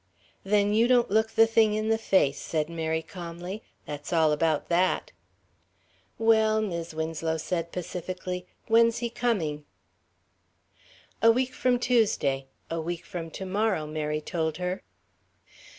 "Then you don't look the thing in the face," said Mary, calmly. "That's all about that." "Well," Mis' Winslow said pacifically, "when's he coming?" "A week from Tuesday. A week from to morrow," Mary told her.